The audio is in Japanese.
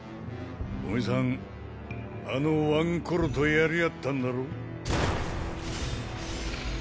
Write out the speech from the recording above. おめぇさんあのワンコロと殺り合ったんだろ？